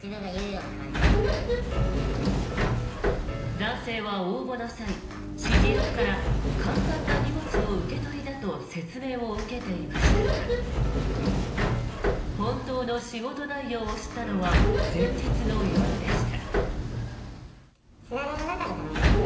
男性は応募の際、指示役から簡単な荷物の受け取りだと説明を受けていましたが本当の仕事内容を知ったのは前日の夜でした。